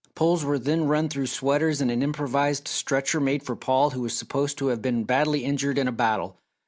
Poles were then run through sweaters and an improvised stretcher made for Paul who was supposed to have been badly injured in a battle.